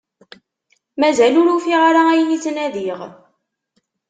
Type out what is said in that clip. Mazal ur ufiɣ ara ayen i ttnadiɣ.